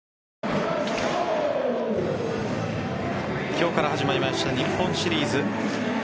今日から始まりました日本シリーズ。